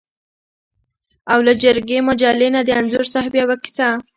او له جرګې مجلې نه د انځور صاحب یوه کیسه.